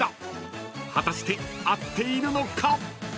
［果たして合っているのか？］